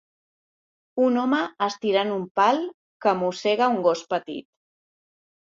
un home estirant un pal que mossega un gos petit